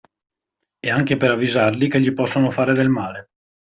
E anche per avvisarli che gli possono fare del male.